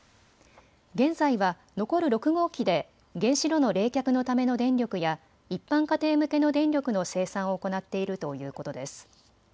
現在は残る６号機で原子炉の冷却のための電力や一般家庭向けの電力の生産を行っているということです。